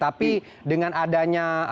tapi dengan adanya